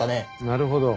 なるほど。